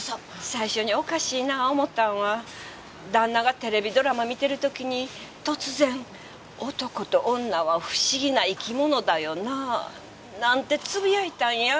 最初におかしいな思うたんは旦那がテレビドラマ見てる時に突然「男と女は不思議な生き物だよな」なんてつぶやいたんや。